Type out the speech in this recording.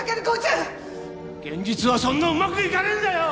現実はそんなうまくいかねえんだよ！